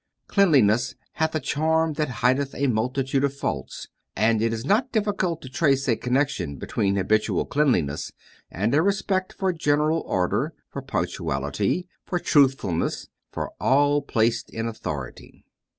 Cleanliness hath a charm that hideth a multitude of faults, and it is not difficult to trace a connection between habitual cleanliness and a respect for general order, for punctuality, for truthfulness, for all placed in authority."